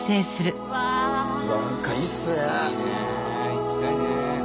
行きたいね。